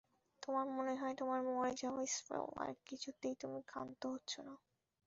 তোমার মনে হয় তোমার মরে যাওয়াই শ্রেয় আর কিছুতেই তুমি ক্ষান্ত হচ্ছ না।